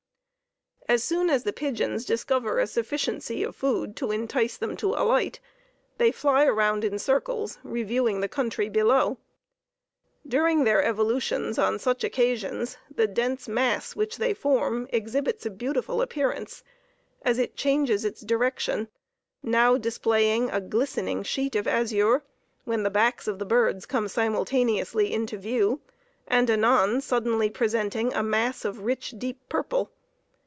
As soon as the pigeons discover a sufficiency of food to entice them to alight, they fly around in circles, reviewing the country below. During their evolutions, on such occasions, the dense mass which they form exhibits a beautiful appearance, as it changes its direction, now displaying a glistening sheet of azure, when the backs of the birds come simultaneously into view, and anon, suddenly presenting a mass of rich deep purple.